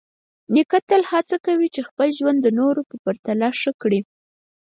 نیکه تل هڅه کوي چې خپل ژوند د نورو په پرتله ښه کړي.